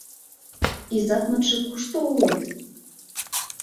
Изатмытше кушто улыт?